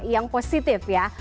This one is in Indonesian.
yang positif ya